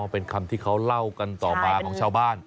เป็นคำที่เขาเล่ากันต่อมาของชาวบ้าน